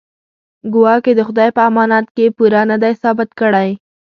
ګواکې د خدای په امانت کې پوره نه دی ثابت کړی.